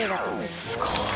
すごい。